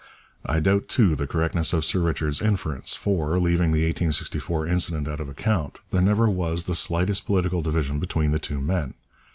I doubt too the correctness of Sir Richard's inference, for, leaving the 1864 incident out of account, there never was the slightest political division between the two men.